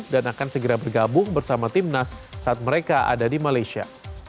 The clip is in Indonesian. dan akan segera bergabung bersama timnas saat mereka ada di malaysia